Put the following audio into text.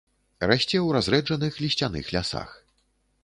Расце ў разрэджаных лісцяных лясах.